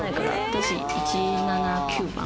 私、１７９番。